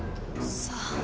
さあ。